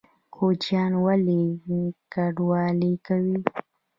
کوچیان ولې کډوالي کوي؟